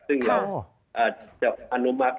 ซึ่งเราจะอนุมัติ